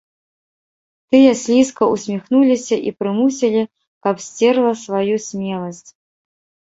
Тыя слізка ўсміхнуліся і прымусілі, каб сцерла сваю смеласць.